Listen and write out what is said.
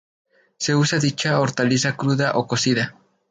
Se usa dicha hortaliza cruda o cocida.